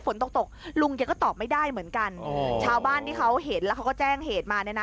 ฝนตกตกลุงแกก็ตอบไม่ได้เหมือนกันชาวบ้านที่เขาเห็นแล้วเขาก็แจ้งเหตุมาเนี่ยนะ